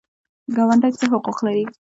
ګاونډي څه حقوق لري؟